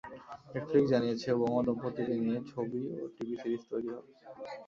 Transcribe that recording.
Netflix জানিয়েছে, Obama দম্পতিকে নিয়ে ছবি ও টিভি সিরিজ তৈরি হবে।